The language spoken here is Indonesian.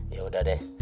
ya udah deh